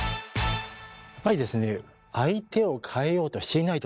やっぱりですね相手を変えようとしない。